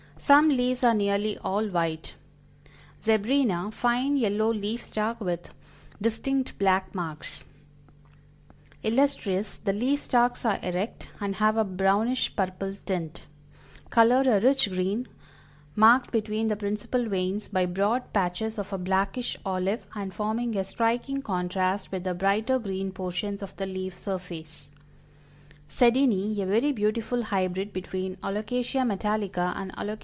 Some leaves are nearly all white; Zebrina, fine yellow leaf stalk with distinct black marks; Illustris, the leaf stalks are erect, and have a brownish purple tint, color a rich green, marked between the principal veins by broad patches of a blackish olive, and forming a striking contrast with the brighter green portions of the leaf surface; Sedini, "A very beautiful hybrid between A. Metallica and _A.